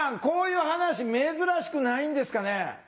こういう話珍しくないんですかね？